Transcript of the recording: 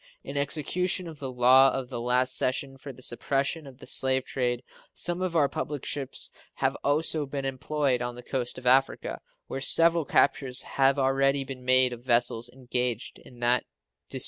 In execution of the law of the last session for the suppression of the slave trade some of our public ships have also been employed on the coast of Africa, where several captures have already been made of vessels engaged in that disgraceful traffic.